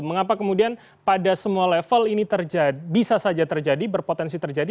mengapa kemudian pada semua level ini bisa saja terjadi berpotensi terjadi